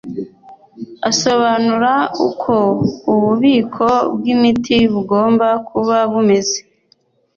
Asobanura uko ububiko bw’imiti bugomba kuba bumeze